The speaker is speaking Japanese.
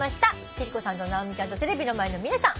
貴理子さんと直美ちゃんとテレビの前の皆さん。